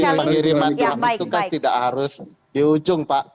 nanti mbak kiriman itu kan tidak harus di ujung pak